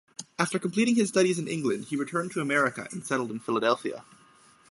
After completing his studies in England he returned to America and settled in Philadelphia.